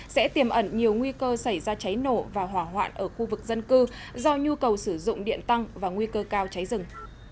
sẽ tiềm ẩn nhiều nguy cơ xảy ra cháy nổ và hỏa hoạn ở khu vực dân cư do nhu cầu sử dụng điện tăng và nguy cơ cao cháy rừng